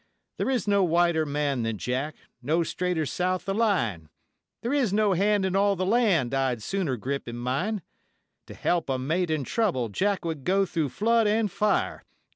There is no whiter man than Jack no straighter south the line, There is no hand in all the land I'd sooner grip in mine; To help a mate in trouble Jack would go through flood and fire.